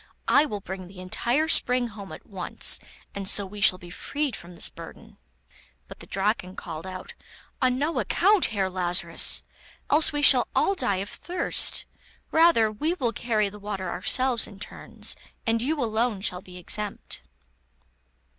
I will bring the entire spring home at once, and so we shall be freed from this burden.' But the Draken called out: 'On no account, Herr Lazarus, else we shall all die of thirst; rather will we carry the water ourselves in turns, and you alone shall be exempt.